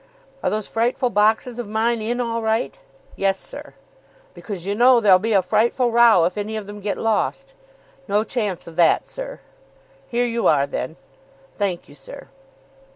"Are those frightful boxes of mine in all right?" "Yes, sir." "Because, you know, there'll be a frightful row if any of them get lost." "No chance of that, sir." "Here you are, then." "Thank you, sir."